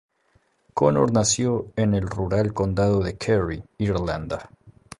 Connor nació en el rural condado de Kerry, Irlanda.